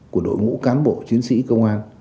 của đội ngũ cán bộ chiến sĩ công an